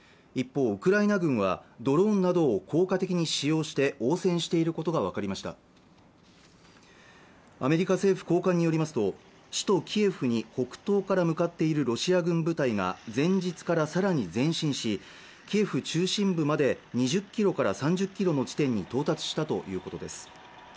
一方ウクライナ軍はドローンなどを効果的に使用して応戦していることが分かりましたアメリカ政府高官によりますと首都キエフに北東から向かっているロシア軍部隊が前日から更に前進しキエフ中心部まで２０キロから３０キロの地点に到達したということです